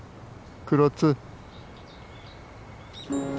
クロツー。